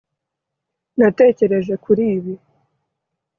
natekereje kuri ibi